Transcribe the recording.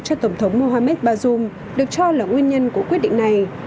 cho tổng thống mohamed bazoum được cho là nguyên nhân của quyết định này